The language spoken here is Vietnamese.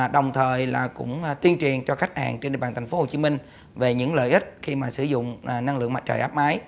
đồng thời tiên truyền cho khách hàng trên địa bàn tp hcm về những lợi ích khi sử dụng năng lượng mặt trời áp mái